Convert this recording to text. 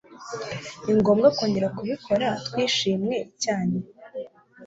Ningomba kongera kubikora twishyimwe cyane?